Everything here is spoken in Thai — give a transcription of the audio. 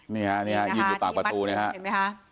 นี่ค่ะนี่ค่ะยืนอยู่ตากประตูเนี่ยค่ะ